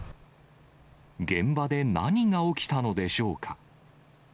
現場で何が起きたのでしょうか。